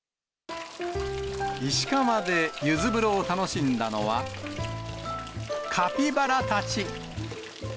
石川でゆず風呂を楽しんだのは、カピバラたち。